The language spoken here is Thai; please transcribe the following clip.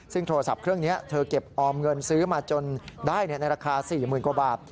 ซึ่งโทรศัพท์เครื่องนี้เธอเก็บออมเงินซื้อมาจนได้ในราคา๔๐๐๐กว่าบาท